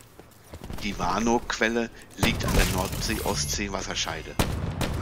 Die Warnow-Quelle liegt an der Nordsee-Ostsee-Wasserscheide.